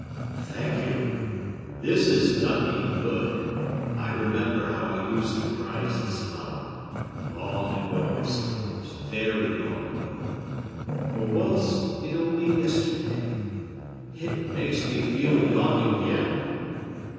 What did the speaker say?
"Thank you! This has done me good. I remember how I used to prize this flower,—long ago, I suppose, very long ago!—or was it only yesterday? It makes me feel young again!